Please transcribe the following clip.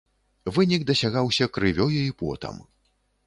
Вынік дасягаўся крывёю і потам.